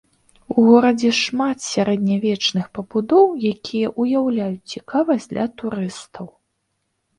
У горадзе шмат сярэднявечных пабудоў, якія ўяўляюць цікавасць для турыстаў.